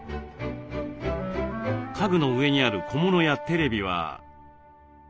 家具の上にある小物やテレビは。